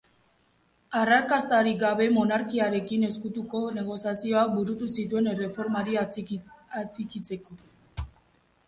Arrakastarik gabe, monarkiarekin ezkutuko negoziazioak burutu zituen erreformari atxikitzeko.